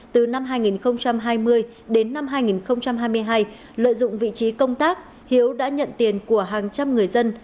từ năm hai nghìn hai mươi đến năm hai nghìn hai mươi hai lợi dụng vị trí công tác hiếu đã nhận tiền của hàng trăm người dân